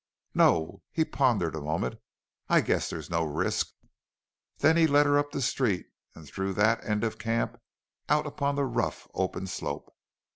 "No." He pondered a moment. "I guess there's no risk." Then he led her up the street and through that end of camp out upon the rough, open slope.